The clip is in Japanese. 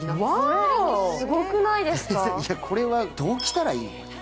これは、どうしたらいい？